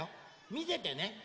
みててね。